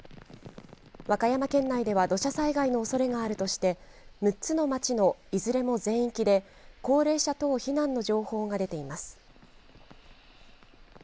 和歌山県内では土砂災害のおそれがあるとして６つの町の、いずれも全域で高齢者等避難の情報が出ています。